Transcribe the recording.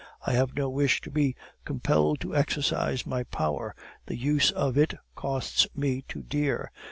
I have no wish to be compelled to exercise my power; the use of it costs me too dear.